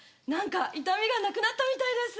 痛みがなくなったみたいです。